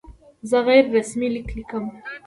زه غیر رسمي لیک لیکم.